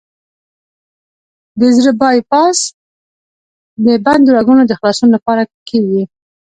د زړه بای پاس د بندو رګونو د خلاصون لپاره کېږي.